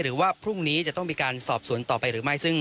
หรือว่าพรุ่งนี้จะต้องมีการสอบสวนต่อไปหรือไม่